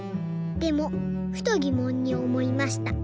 でもふとぎもんにおもいました。